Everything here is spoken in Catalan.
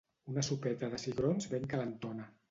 Una sopeta de cigrons ben calentona